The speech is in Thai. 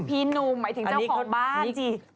พี่หนุ่มหมายถึงเจ้าของบ้านสิ